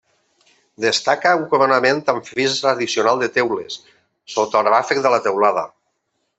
Destaca un coronament, amb fris addicional de teules sota el ràfec de la teulada.